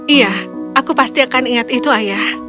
iya aku pasti akan ingat itu ayah